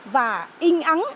và in ấn